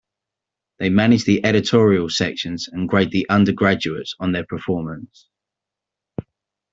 They manage the editorial sections and grade the undergraduates on their performance.